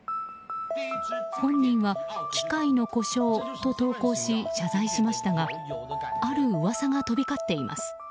本人は機械の故障と投稿し謝罪しましたがある噂が飛び交っています。